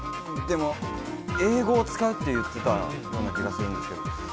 英語を使うって言ってたような気がするんですけど。